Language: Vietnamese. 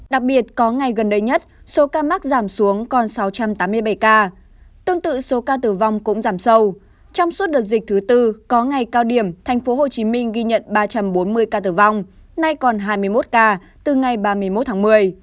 đặc biệt có ngày gần đây nhất số ca mắc giảm xuống còn sáu trăm tám mươi bảy ca tương tự số ca tử vong cũng giảm sâu trong suốt đợt dịch thứ tư có ngày cao điểm tp hcm ghi nhận ba trăm bốn mươi ca tử vong nay còn hai mươi một ca từ ngày ba mươi một tháng một mươi